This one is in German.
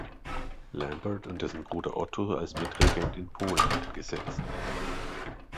Lambert und dessen Bruder Otto als Mitregent in Polen eingesetzt.